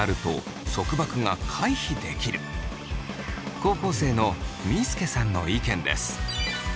高校生のみーすけさんの意見です。